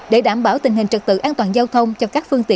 để đảm bảo tình hình trật tự an toàn giao thông